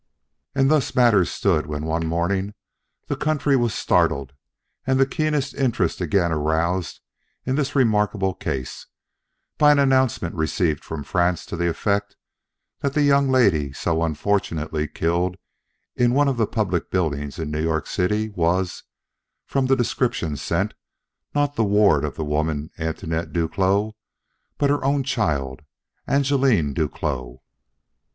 And thus matters stood when one morning the country was startled, and the keenest interest again aroused in this remarkable case, by an announcement received from France to the effect that the young lady so unfortunately killed in one of the public buildings in New York City was, from the description sent, not the ward of the woman Antoinette Duclos, but her own child, Angeline Duclos.